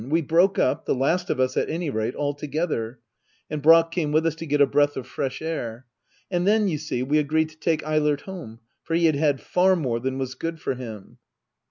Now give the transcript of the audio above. We broke up — the last of us at any rate — all together ; and Brack came with us to get a breath of fresh air. And then, you see, we agreed to take Eilert home ; for he had had far more than was good for him.